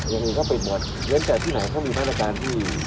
แต่เงินเอาอย่างไรบ้างไม่ได้เลยจะจบเลยนะ